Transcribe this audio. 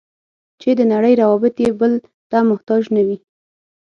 چې د نړۍ روابط یې بل ته محتاج نه وي.